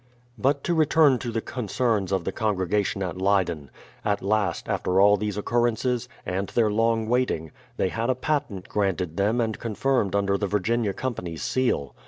But to return to the concerns of the congregation at Ley den. At last, after all these occurrences, and their long waiting, they had a patent granted them and confirmed under the Virginia Company's seal.